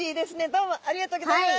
どうもありがとうギョざいます！